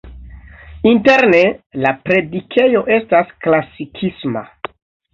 Interne la predikejo estas klasikisma.